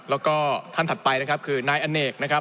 แล้วก็ท่านถัดไปนะครับคือนายอเนกนะครับ